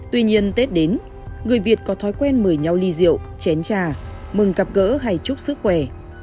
tuy nhiên tết đến người việt có thói quen mời nhau ly rượu chén trà mừng gặp gỡ hay chúc sức khỏe